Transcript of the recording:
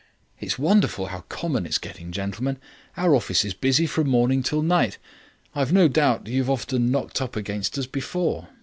"It's wonderful how common it's getting, gentlemen. Our office is busy from morning till night. I've no doubt you've often knocked up against us before.